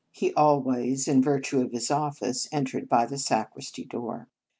He always in virtue of his office entered by the sacristy door.